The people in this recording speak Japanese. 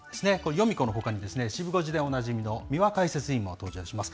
ヨミ子のほかに、シブ５時でおなじみの三輪解説委員も登場します。